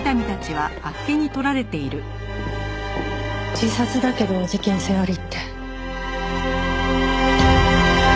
自殺だけど事件性ありって？